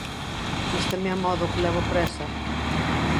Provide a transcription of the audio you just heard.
Vísteme amodo que levo présa.